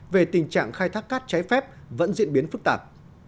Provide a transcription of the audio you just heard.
về tình trạng khai thác cát trái phép vẫn diễn biến phức tạp